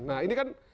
nah ini kan